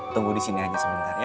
tunggu disini aja sebentar ya